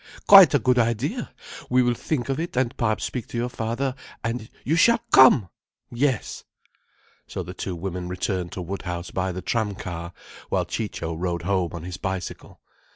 Quite a good idea! We will think of it, and speak perhaps to your father, and you shall come! Yes." So the two women returned to Woodhouse by the tram car, while Ciccio rode home on his bicycle.